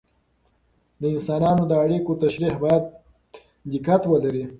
د انسانانو د اړیکو تشریح باید دقت ولري.